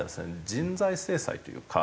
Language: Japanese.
人材制裁というか。